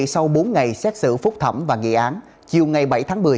sau bốn ngày xét xử phúc thẩm và nghị án chiều ngày bảy tháng một mươi